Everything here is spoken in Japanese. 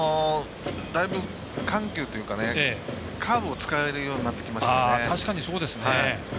だいぶ、緩急というかカーブを使えるようになってきましたよね。